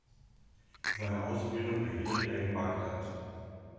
Seine Ausbildung erhielt er in Bagdad.